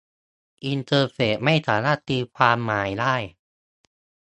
อินเตอร์เฟสไม่สามารถตีความหมายได้